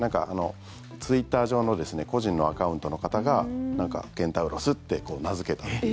ツイッター上の個人のアカウントの方がケンタウロスって名付けた。